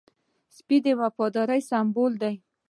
سپي د وفادارۍ سمبول دی.